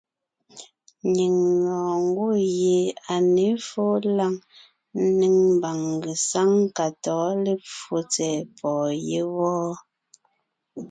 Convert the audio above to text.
Nyìŋ lɔɔn ngwɔ́ gie à ně fóo lǎŋ ńnéŋ mbàŋ ngesáŋ ka tɔ̌ɔn lepfo tsɛ̀ɛ pɔ̀ɔn yé wɔ́.